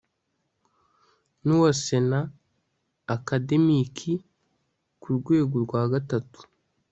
n uwa sena akademiki ku rwego rwa gatatu